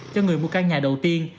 cho người mua căn nhà đầu tiên